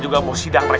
bukan trio bemo